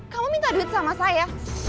kamu minta duit sama saya